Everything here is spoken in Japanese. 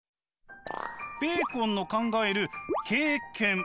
ベーコンの考える経験。